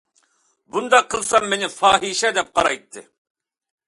بۇنداق قىلسام مېنى پاھىشە دەپ قارايتتى.